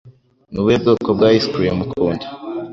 Ni ubuhe bwoko bwa ice cream ukunda?